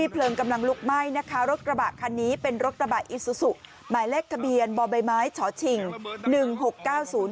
เพลิงกำลังลุกไหม้นะคะรถกระบะคันนี้เป็นรถกระบะอิสุสุ